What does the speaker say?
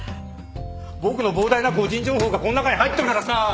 僕の膨大な個人情報がこん中に入ってるからさ。